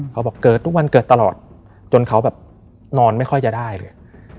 เขาบอกเกิดทุกวันเกิดตลอดจนเขาแบบนอนไม่ค่อยจะได้เลย